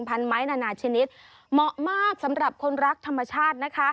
พันไม้นานาชนิดเหมาะมากสำหรับคนรักธรรมชาตินะคะ